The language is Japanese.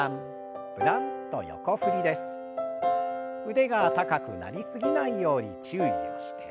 腕が高くなりすぎないように注意をして。